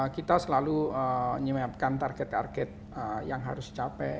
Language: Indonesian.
kita selalu menyiapkan target target yang harus dicapai